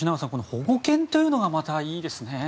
保護犬というのがまたいいですね。